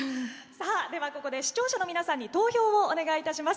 ではここで視聴者の皆さんに投票をお願いいたします。